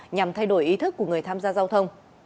nhằm thay đổi ý thức của người tham gia giao thông